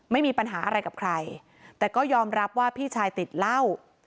ไม่มีปัญหาอะไรกับใครแต่ก็ยอมรับว่าพี่ชายติดเหล้า